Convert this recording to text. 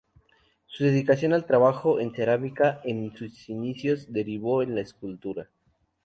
Su dedicación al trabajo en cerámica en sus inicios derivó en la escultura.